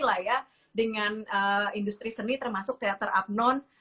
kayak dengan industri seni termasuk teater apnon